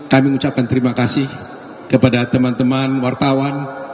kami mengucapkan terima kasih kepada teman teman wartawan